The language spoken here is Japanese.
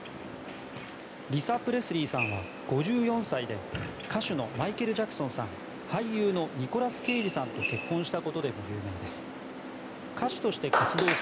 リサ・プレスリーさんは５４歳で歌手のマイケル・ジャクソンさん俳優のニコラス・ケイジさんと結婚したことでも有名です。